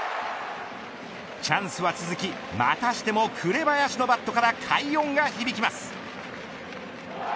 チャンスは続きまたしても紅林のバットから快音が響きます。